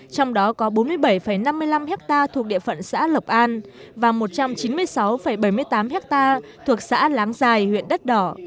trong đó có bốn mươi bảy năm mươi năm hectare thuộc địa phận xã lộc an và một trăm chín mươi sáu bảy mươi tám ha thuộc xã láng dài huyện đất đỏ